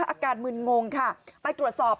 อาการมึนงงค่ะไปตรวจสอบ